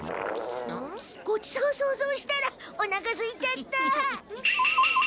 ごちそうそうぞうしたらおなかすいちゃった。